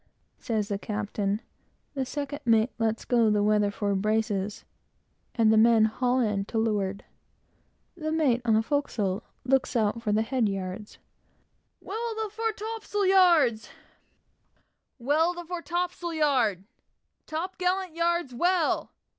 says the captain; the second mate lets go the weather fore braces, and the men haul in to leeward. The mate, on the forecastle, looks out for the head yards. "Well, the fore topsail yard!" "Top gallant yard's well!"